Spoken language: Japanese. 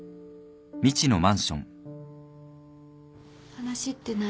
話って何？